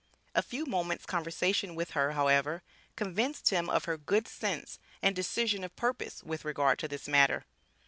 A few moments' conversation with her, however, convinced him of her good sense and decision of purpose with regard to this matter.